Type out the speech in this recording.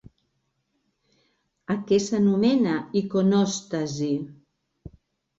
A què s'anomena iconòstasi?